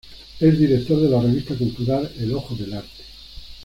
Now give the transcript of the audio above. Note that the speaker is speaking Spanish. Es director de la revista cultural "El ojo del arte".